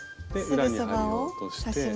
裏に針を落として。